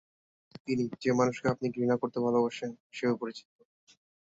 তিনি "যে মানুষকে আপনি ঘৃণা করতে ভালবাসেন" হিসেবে পরিচিত।